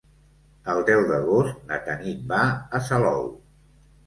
El deu d'agost na Tanit va a Salou.